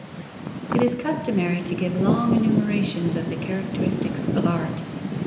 _ It is customary to give long enumerations of the characteristics of art.